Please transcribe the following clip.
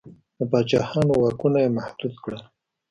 د پاچاهانو واکونه یې محدود کړل.